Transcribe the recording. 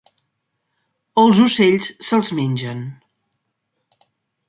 Els ocells se'ls mengen.